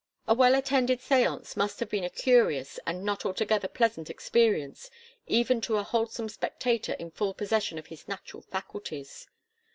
A well attended séance must have been a curious and not altogether pleasant experience even to a wholesome spectator in full possession of his natural faculties.